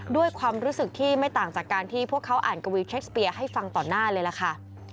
ด้วยความรู้สึกที่ไม่ต่างจากการที่พวกเขาอ่านกวีเทคสเปียร์ให้ฟังต่อหน้าเลยล่ะค่ะ